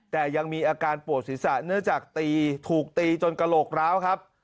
แต่ยังมีอาการปวดศีรษะเนื่องจากตีถูกตีจนกระโหลกร้าวครับ